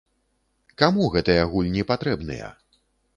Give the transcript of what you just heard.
Каму гэтыя гульні патрэбныя?